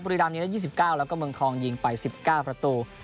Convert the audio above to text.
บุรีดำนี้๒๙แล้วก็เมืองทองยิงไป๑๙ประตู